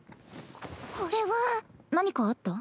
こここれは。何かあった？